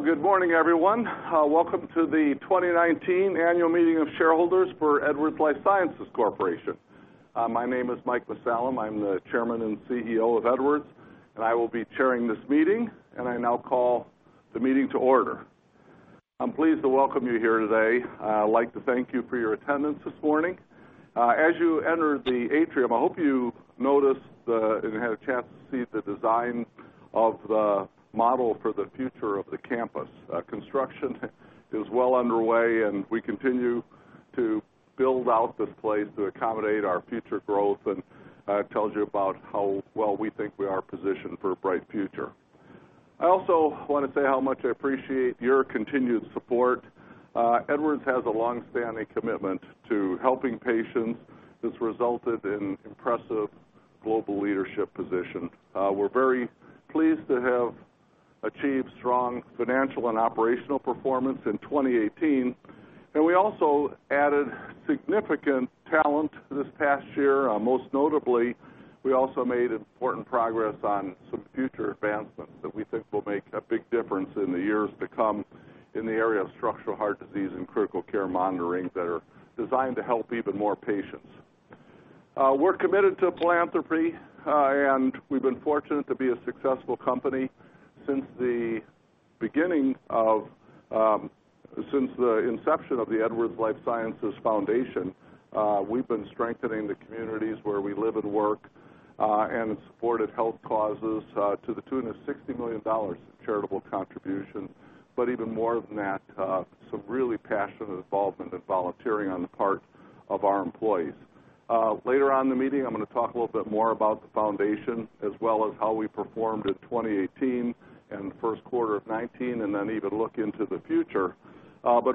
Well, good morning, everyone. Welcome to the 2019 annual meeting of shareholders for Edwards Lifesciences Corporation. My name is Michael A. Mussallem. I'm the Chairman and CEO of Edwards, I will be chairing this meeting. I now call the meeting to order. I'm pleased to welcome you here today. I'd like to thank you for your attendance this morning. As you entered the atrium, I hope you noticed and had a chance to see the design of the model for the future of the campus. Construction is well underway, we continue to build out this place to accommodate our future growth. It tells you about how well we think we are positioned for a bright future. I also want to say how much I appreciate your continued support. Edwards has a longstanding commitment to helping patients that's resulted in impressive global leadership position. We're very pleased to have achieved strong financial and operational performance in 2018, we also added significant talent this past year. Most notably, we also made important progress on some future advancements that we think will make a big difference in the years to come in the area of structural heart disease and critical care monitoring that are designed to help even more patients. We're committed to philanthropy, we've been fortunate to be a successful company since the inception of the Edwards Lifesciences Foundation. We've been strengthening the communities where we live and work, have supported health causes to the tune of $60 million of charitable contributions. Even more than that, some really passionate involvement and volunteering on the part of our employees. Later on in the meeting, I'm going to talk a little bit more about the foundation, as well as how we performed in 2018 and the first quarter of 2019, even look into the future.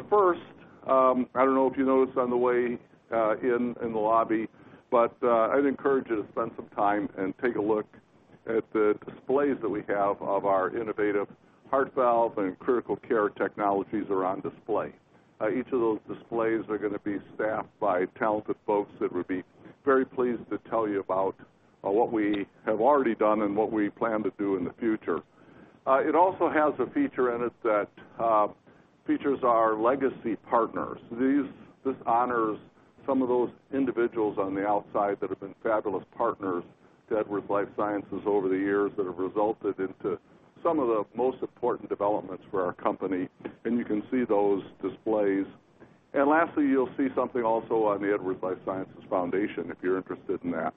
First, I don't know if you noticed on the way in the lobby, I'd encourage you to spend some time and take a look at the displays that we have of our innovative heart valve and critical care technologies are on display. Each of those displays are going to be staffed by talented folks that would be very pleased to tell you about what we have already done and what we plan to do in the future. It also has a feature in it that features our legacy partners. This honors some of those individuals on the outside that have been fabulous partners to Edwards Lifesciences over the years that have resulted into some of the most important developments for our company. You can see those displays. Lastly, you'll see something also on the Edwards Lifesciences Foundation, if you're interested in that.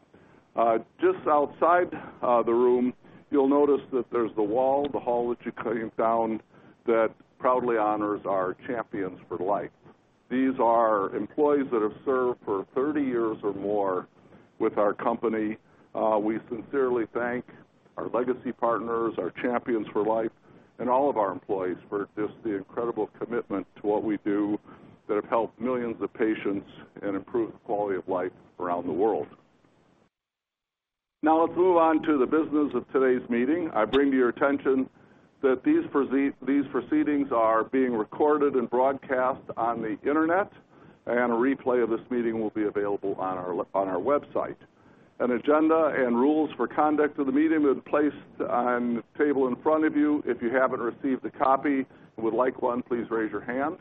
Just outside the room, you'll notice that there's the wall, the hall that you came down that proudly honors our Champions for Life. These are employees that have served for 30 years or more with our company. We sincerely thank our legacy partners, our Champions for Life, all of our employees for just the incredible commitment to what we do that have helped millions of patients and improved the quality of life around the world. Now let's move on to the business of today's meeting. I bring to your attention that these proceedings are being recorded and broadcast on the internet, and a replay of this meeting will be available on our website. An agenda and rules for conduct of the meeting is placed on the table in front of you. If you haven't received a copy and would like one, please raise your hand.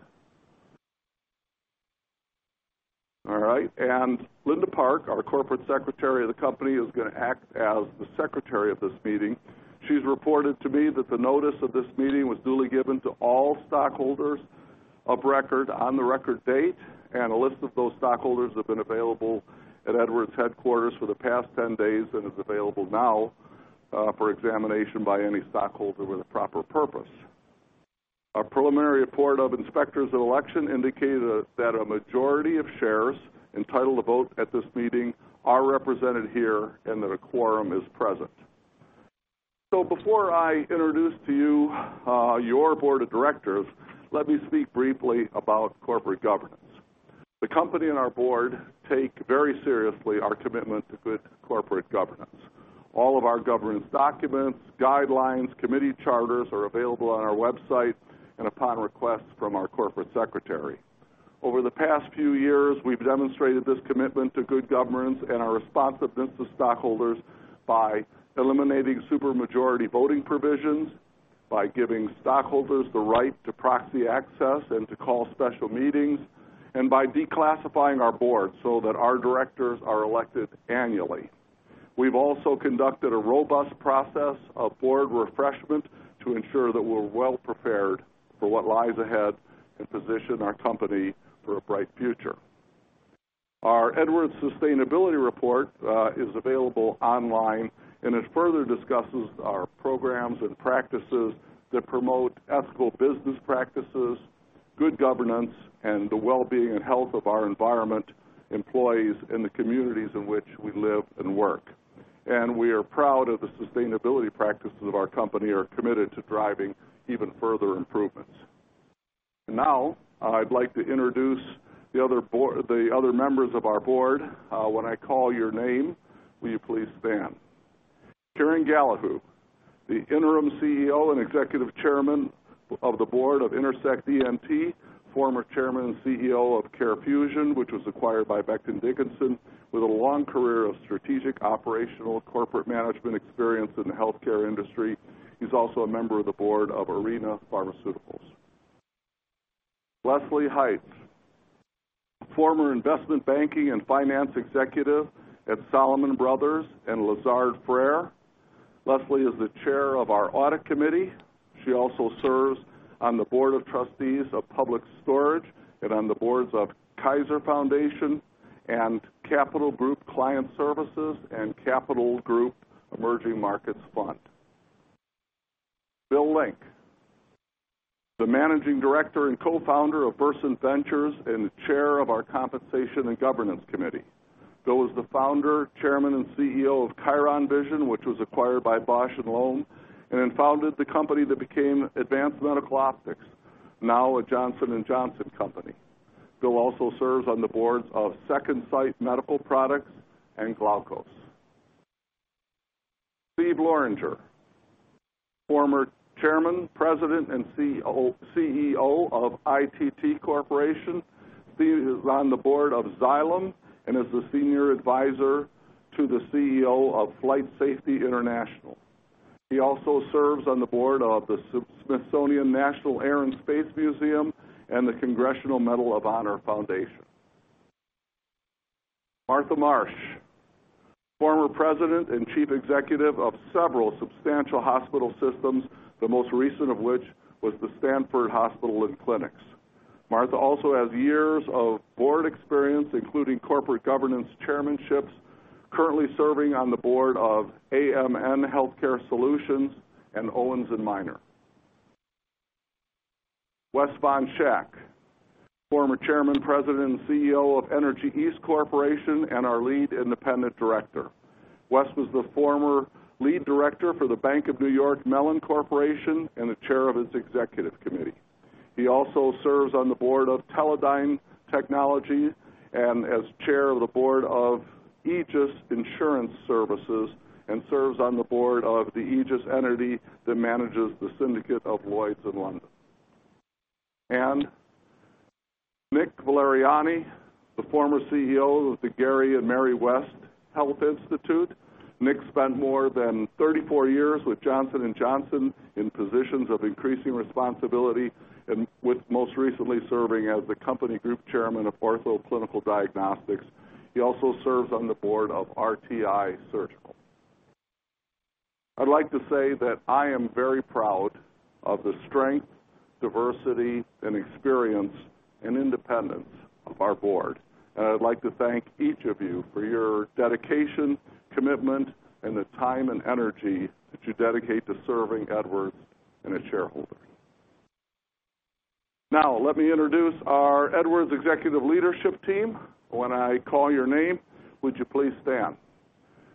All right. Linda Park, our Corporate Secretary of the company, is going to act as the secretary of this meeting. She's reported to me that the notice of this meeting was duly given to all stockholders of record on the record date, and a list of those stockholders have been available at Edwards headquarters for the past 10 days and is available now for examination by any stockholder with a proper purpose. Our preliminary report of inspectors at election indicated that a majority of shares entitled to vote at this meeting are represented here and that a quorum is present. Before I introduce to you your board of directors, let me speak briefly about corporate governance. The company and our board take very seriously our commitment to good corporate governance. All of our governance documents, guidelines, committee charters are available on our website and upon request from our Corporate Secretary. Over the past few years, we've demonstrated this commitment to good governance and our responsiveness to stockholders by eliminating super majority voting provisions, by giving stockholders the right to proxy access and to call special meetings, and by declassifying our board so that our directors are elected annually. We've also conducted a robust process of board refreshment to ensure that we're well prepared for what lies ahead and position our company for a bright future. Our Edwards Sustainability Report is available online. It further discusses our programs and practices that promote ethical business practices, good governance, and the well-being and health of our environment, employees, and the communities in which we live and work. We are proud of the sustainability practices of our company are committed to driving even further improvements. I'd like to introduce the other members of our board. When I call your name, will you please stand? Kieran Gallahue, the Interim CEO and Executive Chairman of the Board of Intersect ENT, former Chairman and CEO of CareFusion, which was acquired by Becton Dickinson, with a long career of strategic operational corporate management experience in the healthcare industry. He's also a member of the board of Arena Pharmaceuticals. Leslie Heisz, former investment banking and finance executive at Salomon Brothers and Lazard Frères. Leslie is the chair of our audit committee. She also serves on the board of trustees of Public Storage and on the boards of Kaiser Foundation and Capital Group Client Services and Capital Group Emerging Markets Fund. Bill Link, the managing director and co-founder of Versant Ventures and the chair of our compensation and governance committee. Bill was the founder, chairman, and CEO of Chiron Vision, which was acquired by Bausch & Lomb. Then founded the company that became Advanced Medical Optics, now a Johnson & Johnson company. Bill also serves on the boards of Second Sight Medical Products and Glaukos. Steve Loranger, former chairman, president, and CEO of ITT Corporation. Steve is on the board of Xylem and is the senior advisor to the CEO of FlightSafety International. He also serves on the board of the Smithsonian National Air and Space Museum and the Congressional Medal of Honor Foundation. Martha Marsh, former president and chief executive of several substantial hospital systems, the most recent of which was the Stanford Hospital and Clinics. Martha also has years of board experience, including corporate governance chairmanships, currently serving on the board of AMN Healthcare Services and Owens & Minor. Wes von Schack, former chairman, president, and CEO of Energy East Corporation and our lead independent director. Wes was the former lead director for the Bank of New York Mellon Corporation and the chair of its executive committee. He also serves on the board of Teledyne Technologies and as chair of the board of AEGIS Insurance Services and serves on the board of the AEGIS entity that manages the syndicate of Lloyd's of London. Nick Valeriani, the former CEO of the Gary and Mary West Health Institute. Nick spent more than 34 years with Johnson & Johnson in positions of increasing responsibility and with most recently serving as the company group chairman of Ortho Clinical Diagnostics. He also serves on the board of RTI Surgical. I'd like to say that I am very proud of the strength, diversity, experience, and independence of our board. I'd like to thank each of you for your dedication, commitment, and the time and energy that you dedicate to serving Edwards and its shareholders. Let me introduce our Edwards executive leadership team. When I call your name, would you please stand?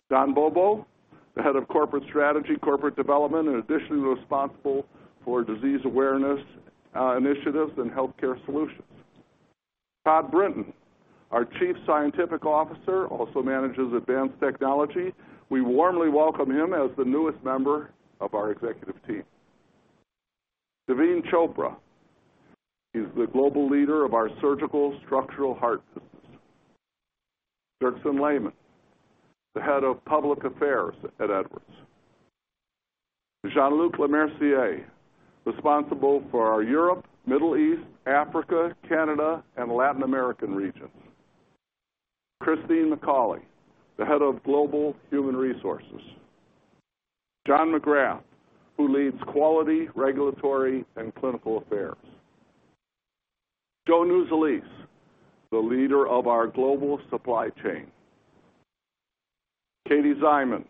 Don Bobo, the head of corporate strategy, corporate development, and additionally responsible for disease awareness initiatives and healthcare solutions. Todd Brinton, our chief scientific officer, also manages advanced technology. We warmly welcome him as the newest member of our executive team. Daveen Chopra is the global leader of our surgical structural heart business. Dirksen Lehman, the head of public affairs at Edwards. Jean-Luc Lemercier, responsible for our Europe, Middle East, Africa, Canada, and Latin American regions. Christine McCauley, the head of global human resources. John McGrath, who leads quality, regulatory, and clinical affairs. Joe Nuzzolese, the leader of our global supply chain. Katie Szyman,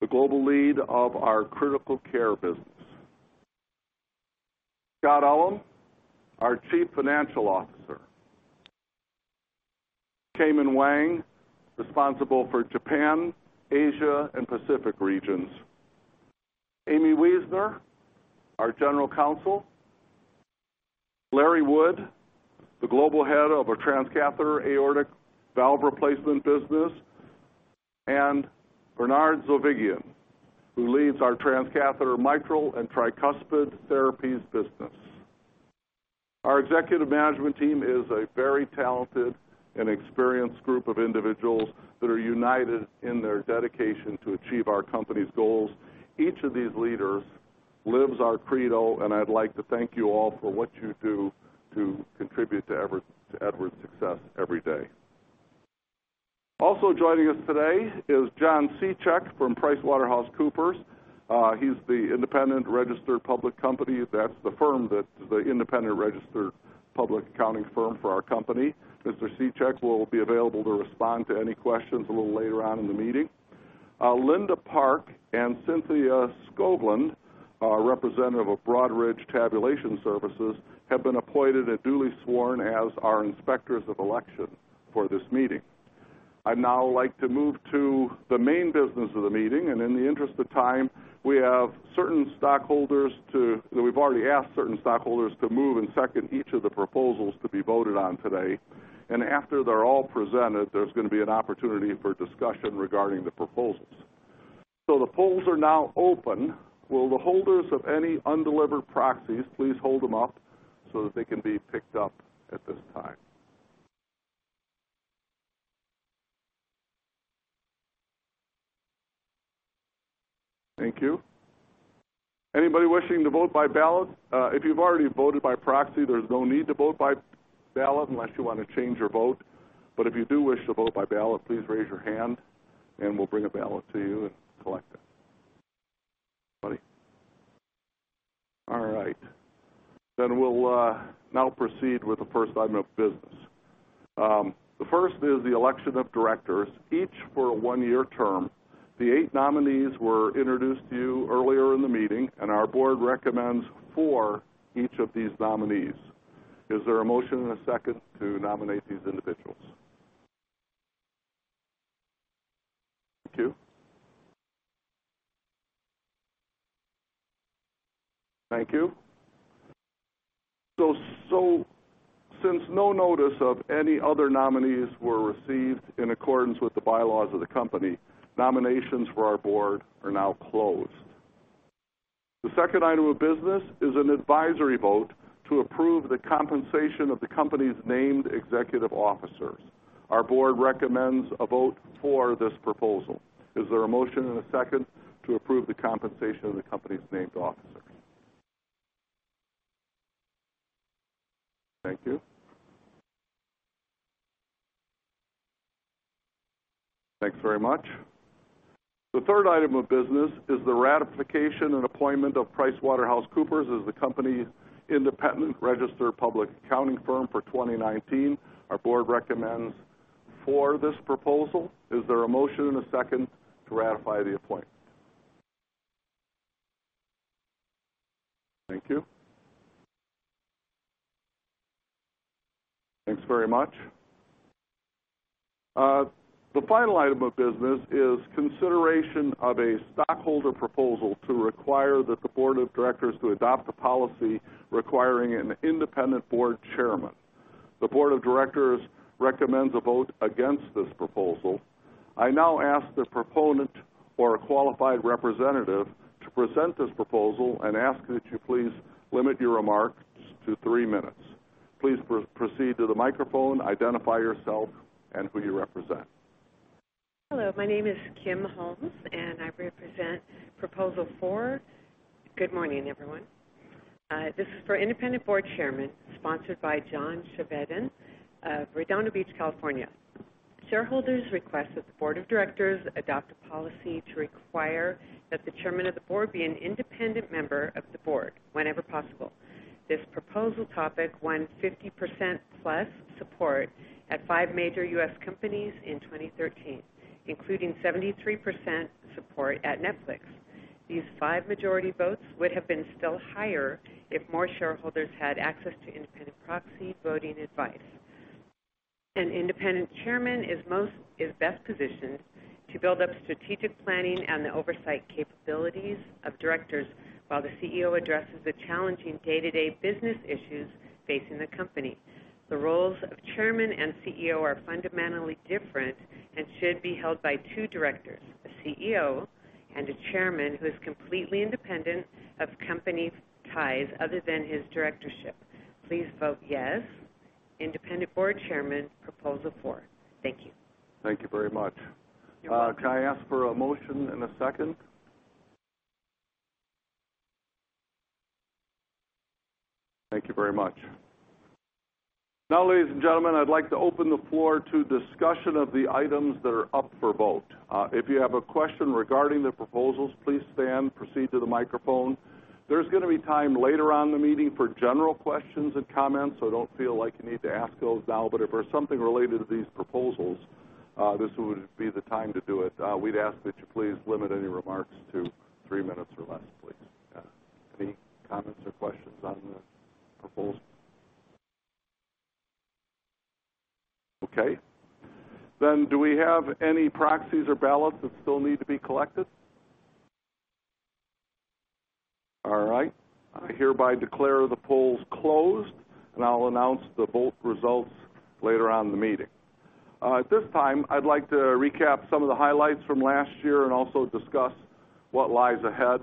the global lead of our critical care business. Scott Ullem, our chief financial officer. Huimin Wang, responsible for Japan, Asia, and Pacific regions. Aimee Weisner, our general counsel. Larry Wood, the global head of our transcatheter aortic valve replacement business, and Bernard Zovighian, who leads our transcatheter mitral and tricuspid therapies business. Our executive management team is a very talented and experienced group of individuals that are united in their dedication to achieve our company's goals. Each of these leaders lives our credo, and I'd like to thank you all for what you do to contribute to Edwards' success every day. Also joining us today is John Sadak from PricewaterhouseCoopers. He's the independent registered public company. That's the firm that is the independent registered public accounting firm for our company. Mr. Sadak will be available to respond to any questions a little later on in the meeting. Linda Park and Cynthia Scobland, representative of Broadridge Tabulation Services, have been appointed and duly sworn as our inspectors of election for this meeting. I'd now like to move to the main business of the meeting. In the interest of time, we've already asked certain stockholders to move and second each of the proposals to be voted on today. After they're all presented, there's going to be an opportunity for discussion regarding the proposals. The polls are now open. Will the holders of any undelivered proxies please hold them up so that they can be picked up at this time? Thank you. Anybody wishing to vote by ballot? If you've already voted by proxy, there's no need to vote by ballot unless you want to change your vote. If you do wish to vote by ballot, please raise your hand and we'll bring a ballot to you and collect it. Anybody? All right. We'll now proceed with the first item of business. The first is the election of directors, each for a one-year term. The eight nominees were introduced to you earlier in the meeting. Our board recommends for each of these nominees. Is there a motion and a second to nominate these individuals? Thank you. Thank you. Since no notice of any other nominees were received in accordance with the bylaws of the company, nominations for our board are now closed. The second item of business is an advisory vote to approve the compensation of the company's named executive officers. Our board recommends a vote for this proposal. Is there a motion and a second to approve the compensation of the company's named officers? Thank you. Thanks very much. The third item of business is the ratification and appointment of PricewaterhouseCoopers as the company's independent registered public accounting firm for 2019. Our board recommends for this proposal. Is there a motion and a second to ratify the appointment? Thank you. Thanks very much. The final item of business is consideration of a stockholder proposal to require that the board of directors to adopt a policy requiring an independent board chairman. The board of directors recommends a vote against this proposal. I now ask the proponent or a qualified representative to present this proposal and ask that you please limit your remarks to three minutes. Please proceed to the microphone, identify yourself and who you represent. Hello, my name is Kim Holmes. I represent Proposal Four. Good morning, everyone. This is for independent board chairman, sponsored by John Chevedden of Redondo Beach, California. Shareholders request that the board of directors adopt a policy to require that the chairman of the board be an independent member of the board whenever possible. This proposal topic won 50% plus support at five major U.S. companies in 2013, including 73% support at Netflix. These five majority votes would have been still higher if more shareholders had access to independent proxy voting advice. An independent chairman is best positioned to build up strategic planning and the oversight capabilities of directors while the CEO addresses the challenging day-to-day business issues facing the company. The roles of Chairman and CEO are fundamentally different and should be held by two directors, a CEO and a Chairman who is completely independent of company ties other than his directorship. Please vote yes, independent board Chairman, Proposal Four. Thank you. Thank you very much. Can I ask for a motion and a second? Thank you very much. Ladies and gentlemen, I'd like to open the floor to discussion of the items that are up for vote. If you have a question regarding the proposals, please stand, proceed to the microphone. There's going to be time later on in the meeting for general questions and comments, so don't feel like you need to ask those now. If there's something related to these proposals, this would be the time to do it. We'd ask that you please limit any remarks to three minutes or less, please. Yeah. Any comments or questions on the proposal? Okay. Do we have any proxies or ballots that still need to be collected? All right. I hereby declare the polls closed, and I'll announce the vote results later on in the meeting. At this time, I'd like to recap some of the highlights from last year and also discuss what lies ahead.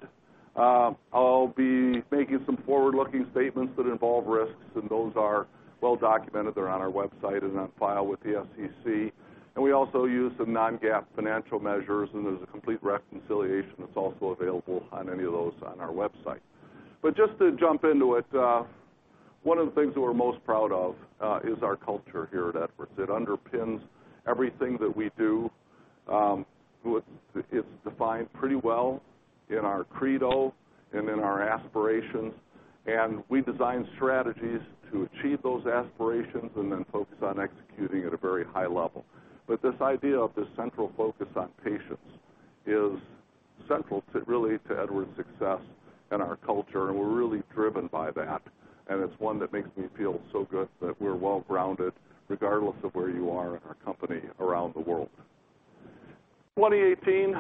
I'll be making some forward-looking statements that involve risks, and those are well documented. They're on our website and on file with the SEC. We also use some non-GAAP financial measures, and there's a complete reconciliation that's also available on any of those on our website. Just to jump into it, one of the things that we're most proud of is our culture here at Edwards. It underpins everything that we do. It's defined pretty well in our credo and in our aspirations, and we design strategies to achieve those aspirations and then focus on executing at a very high level. This idea of this central focus on patients is central, really, to Edwards' success and our culture, and we're really driven by that. It's one that makes me feel so good that we're well-grounded, regardless of where you are in our company around the world. 2018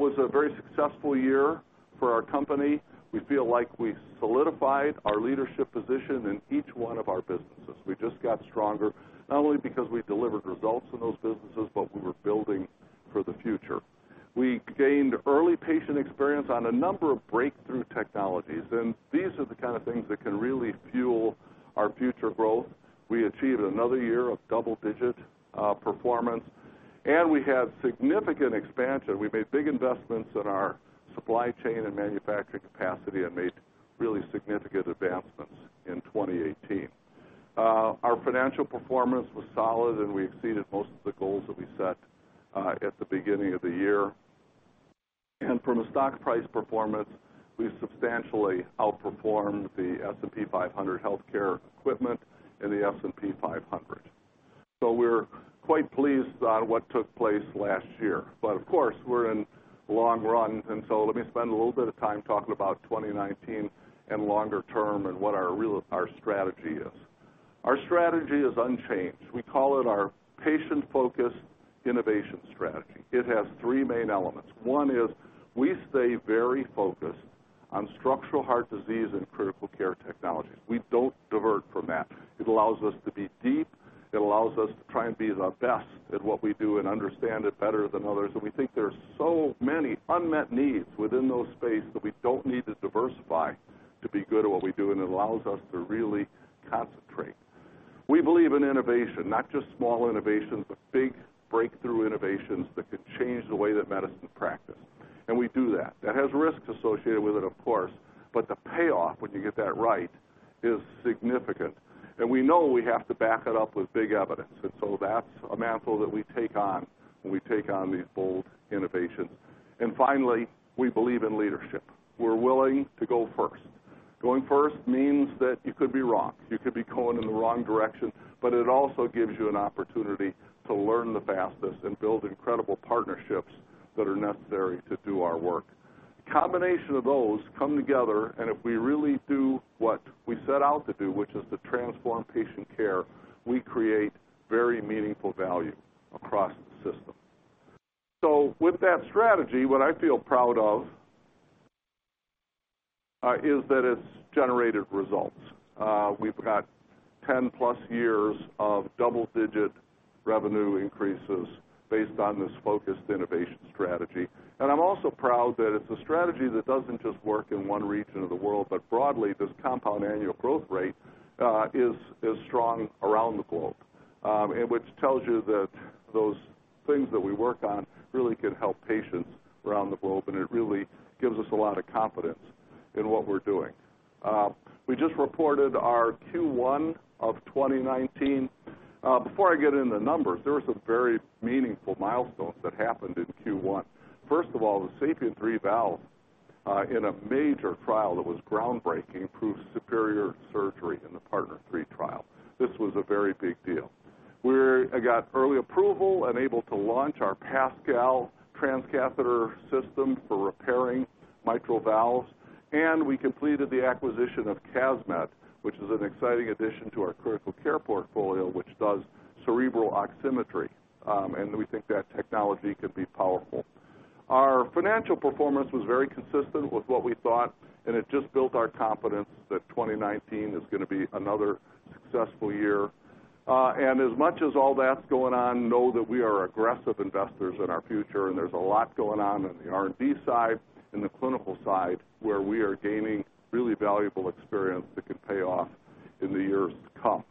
was a very successful year for our company. We feel like we solidified our leadership position in each one of our businesses. We just got stronger, not only because we delivered results in those businesses, but we were building for the future. We gained early patient experience on a number of breakthrough technologies, and these are the kind of things that can really fuel our future growth. We achieved another year of double-digit performance. We had significant expansion. We made big investments in our supply chain and manufacturing capacity and made really significant advancements in 2018. Our financial performance was solid, and we exceeded most of the goals that we set at the beginning of the year. From a stock price performance, we substantially outperformed the S&P 500 Healthcare Equipment and the S&P 500. We're quite pleased on what took place last year. Of course, we're in long run, let me spend a little bit of time talking about 2019 and longer term and what our strategy is. Our strategy is unchanged. We call it our patient focus innovation strategy. It has three main elements. One is we stay very focused on structural heart disease and critical care technologies. We don't divert from that. It allows us to be deep. It allows us to try and be the best at what we do and understand it better than others. We think there are so many unmet needs within those spaces that we don't need to diversify to be good at what we do, it allows us to really concentrate. We believe in innovation, not just small innovations, but big breakthrough innovations that could change the way that medicine is practiced. We do that. That has risks associated with it, of course, but the payoff when you get that right is significant. We know we have to back it up with big evidence. That's a mantle that we take on when we take on these bold innovations. Finally, we believe in leadership. We're willing to go first. Going first means that you could be wrong. You could be going in the wrong direction, but it also gives you an opportunity to learn the fastest and build incredible partnerships that are necessary to do our work. A combination of those come together, if we really do what we set out to do, which is to transform patient care, we create very meaningful value across the system. With that strategy, what I feel proud of is that it's generated results. We've got 10-plus years of double-digit revenue increases based on this focused innovation strategy. I'm also proud that it's a strategy that doesn't just work in one region of the world, but broadly, this compound annual growth rate is strong around the globe. Which tells you that those things that we work on really can help patients around the globe, it really gives us a lot of confidence in what we're doing. We just reported our Q1 of 2019. Before I get into numbers, there were some very meaningful milestones that happened in Q1. First of all, the SAPIEN 3 valve in a major trial that was groundbreaking, proved superior to surgery in the PARTNER 3 trial. This was a very big deal. We got early approval and able to launch our PASCAL transcatheter system for repairing mitral valves. We completed the acquisition of CASMed, which is an exciting addition to our critical care portfolio, which does cerebral oximetry. We think that technology could be powerful. Our financial performance was very consistent with what we thought, it just built our confidence that 2019 is going to be another successful year. As much as all that's going on, know that we are aggressive investors in our future, there's a lot going on the R&D side and the clinical side, where we are gaining really valuable experience that could pay off in the years to come.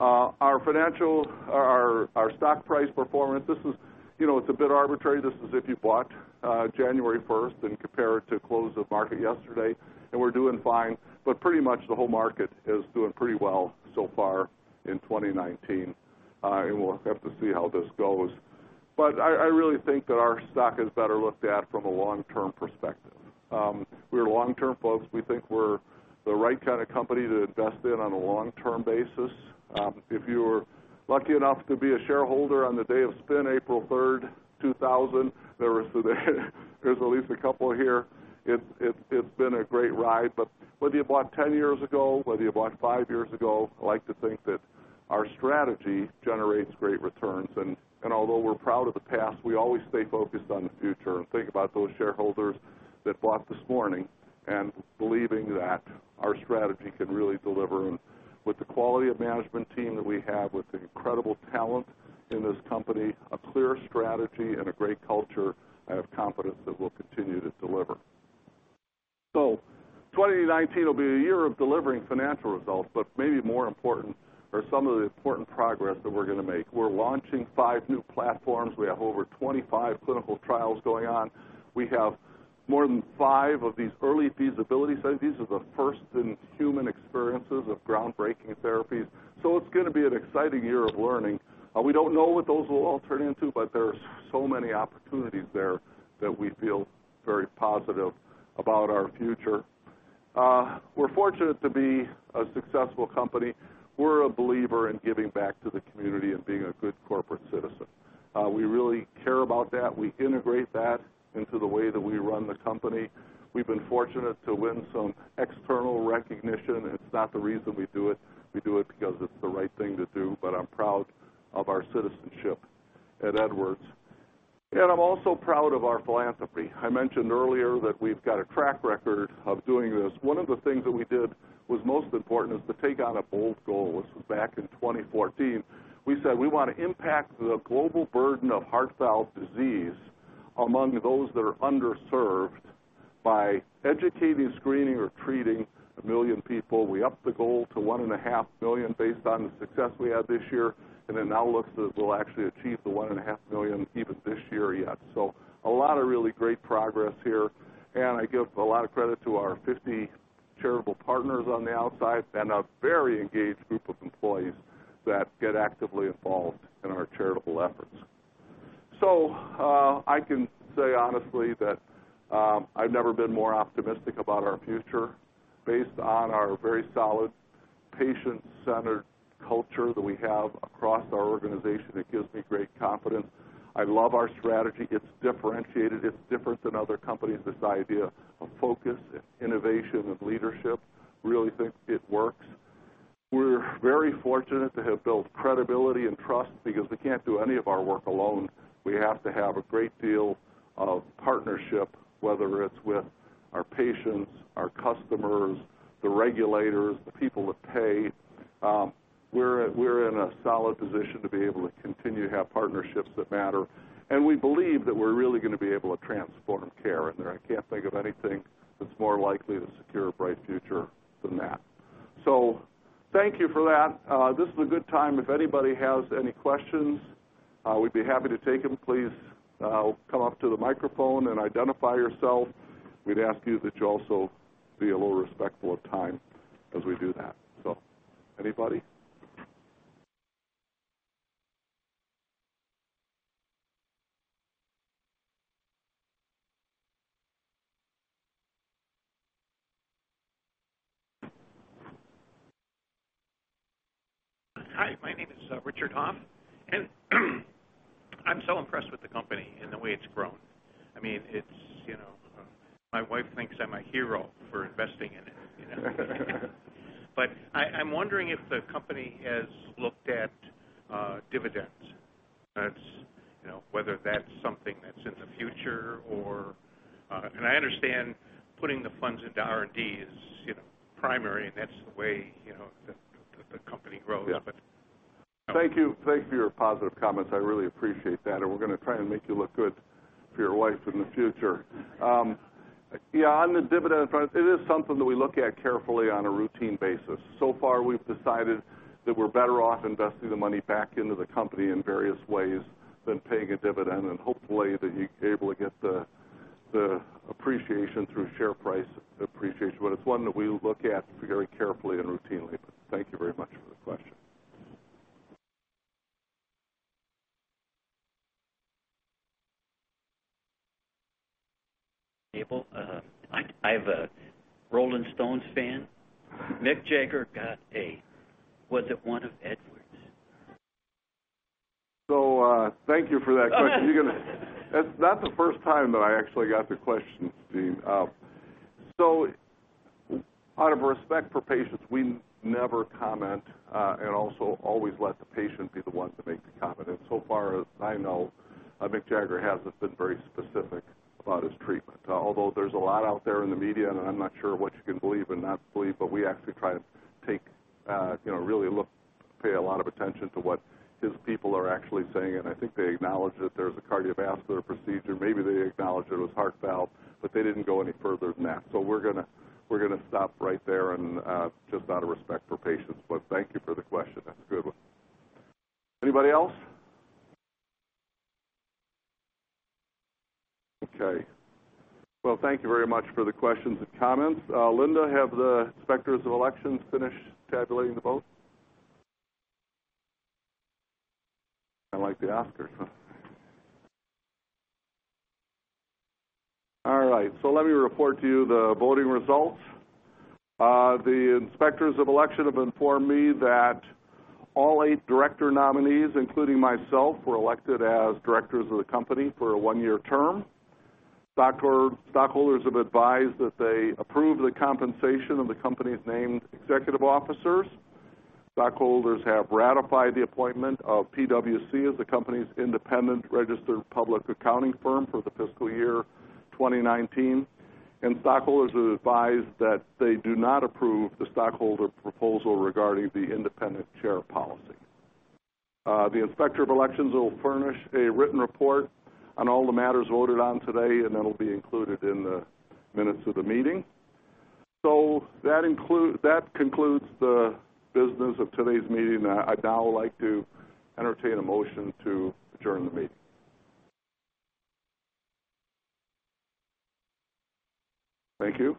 Our stock price performance, it's a bit arbitrary. This is if you bought January 1st and compare it to close of market yesterday, we're doing fine, but pretty much the whole market is doing pretty well so far in 2019. We'll have to see how this goes. I really think that our stock is better looked at from a long-term perspective. We're long-term folks. We think we're the right kind of company to invest in on a long-term basis. If you were lucky enough to be a shareholder on the day of spin, April 3rd, 2000, there's at least a couple here, it's been a great ride. Whether you bought 10 years ago, whether you bought five years ago, I like to think that our strategy generates great returns. Although we're proud of the past, we always stay focused on the future and think about those shareholders that bought this morning and believing that our strategy can really deliver. With the quality of management team that we have, with the incredible talent in this company, a clear strategy, and a great culture, I have confidence that we'll continue to deliver. 2019 will be a year of delivering financial results, but maybe more important are some of the important progress that we're going to make. We're launching five new platforms. We have over 25 clinical trials going on. We have more than five of these early feasibility studies. These are the first in human experiences of groundbreaking therapies. It's going to be an exciting year of learning. We don't know what those will all turn into, there are so many opportunities there that we feel very positive about our future. We're fortunate to be a successful company. We're a believer in giving back to the community and being a good corporate citizen. We really care about that. We integrate that into the way that we run the company. We've been fortunate to win some external recognition. It's not the reason we do it. We do it because it's the right thing to do, but I'm proud of our citizenship at Edwards. I'm also proud of our philanthropy. I mentioned earlier that we've got a track record of doing this. One of the things that we did was most important is to take on a bold goal. This was back in 2014. We said we want to impact the global burden of heart valve disease among those that are underserved. By educating, screening, or treating a million people, we upped the goal to one and a half million based on the success we had this year, it now looks as if we'll actually achieve the one and a half million even this year yet. A lot of really great progress here, I give a lot of credit to our 50 charitable partners on the outside and a very engaged group of employees that get actively involved in our charitable efforts. I can say honestly that I've never been more optimistic about our future based on our very solid, patient-centered culture that we have across our organization. It gives me great confidence. I love our strategy. It's differentiated. It's different than other companies. This idea of focus, innovation, of leadership, really think it works. We're very fortunate to have built credibility and trust because we can't do any of our work alone. We have to have a great deal of partnership, whether it's with our patients, our customers, the regulators, the people that pay. We're in a solid position to be able to continue to have partnerships that matter, and we believe that we're really going to be able to transform care, and I can't think of anything that's more likely to secure a bright future than that. Thank you for that. This is a good time if anybody has any questions, we'd be happy to take them. Please come up to the microphone and identify yourself. We'd ask you that you also be a little respectful of time as we do that. Anybody? Hi, my name is Richard Hoff, I'm so impressed with the company and the way it's grown. My wife thinks I'm a hero for investing in it. I'm wondering if the company has looked at dividends. Whether that's something that's in the future. I understand putting the funds into R&D is primary, and that's the way the company grows. Yeah. Thank you for your positive comments. I really appreciate that, and we're going to try and make you look good for your wife in the future. On the dividend front, it is something that we look at carefully on a routine basis. Far, we've decided that we're better off investing the money back into the company in various ways than paying a dividend, and hopefully that you're able to get the appreciation through share price appreciation. It's one that we look at very carefully and routinely. Thank you very much for the question. [Abel]. I'm a Rolling Stones fan. Mick Jagger got a Was it one of Edwards? Thank you for that question. That's the first time that I actually got the question, Steve. Out of respect for patients, we never comment, and also always let the patient be the one to make the comment. So far as I know, Mick Jagger hasn't been very specific about his treatment. Although there's a lot out there in the media, and I'm not sure what you can believe and not believe, we actually try to really pay a lot of attention to what his people are actually saying, and I think they acknowledge that there's a cardiovascular procedure. Maybe they acknowledge it was heart valve, they didn't go any further than that. We're going to stop right there and just out of respect for patients, thank you for the question. That's a good one. Anybody else? Okay. Well, thank you very much for the questions and comments. Linda, have the inspectors of elections finished tabulating the votes? Kind of like the Oscars, huh? All right. Let me report to you the voting results. The inspectors of election have informed me that all eight director nominees, including myself, were elected as directors of the company for a one-year term. Stockholders have advised that they approve the compensation of the company's named executive officers. Stockholders have ratified the appointment of PwC as the company's independent registered public accounting firm for the fiscal year 2019, stockholders have advised that they do not approve the stockholder proposal regarding the independent chair policy. The inspector of elections will furnish a written report on all the matters voted on today, that'll be included in the minutes of the meeting. That concludes the business of today's meeting. I'd now like to entertain a motion to adjourn the meeting. Thank you.